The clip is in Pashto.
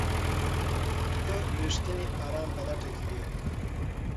ته د رښتیني ارام په لټه کې یې؟